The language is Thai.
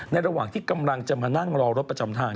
ระหว่างที่กำลังจะมานั่งรอรถประจำทาง